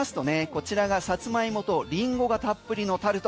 こちらがサツマイモとリンゴがたっぷりのタルト